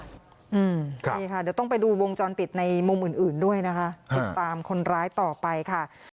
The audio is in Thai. นี่ค่ะเดี๋ยวต้องไปดูวงจรปิดในมุมอื่นด้วยนะคะติดตามคนร้ายต่อไปค่ะ